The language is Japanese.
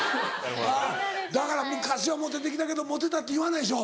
あぁだから昔はモテてきたけど「モテた」って言わないでしょ？